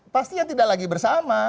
pastinya tidak lagi bersama